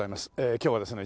今日はですね